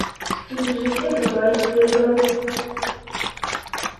— Тидыже кӧ тугай, эргым?